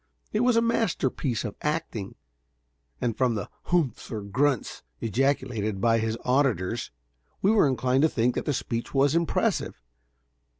It was a master piece of acting, and from the "humphs," or grunts, ejaculated by his auditors, we were inclined to think that the speech was impressive.